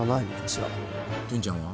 淳ちゃんは？